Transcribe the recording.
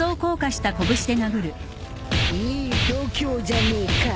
いい度胸じゃねえか。